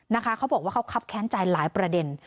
เขาบอกว่าเขาคับแค้นใจหลายประเด็น